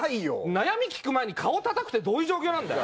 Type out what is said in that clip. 悩み聞く前に顔たたくってどういう状況なんだよ？